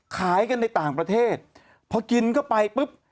ขายกันในต่างประเทศพอกินเข้าไปปุ๊บ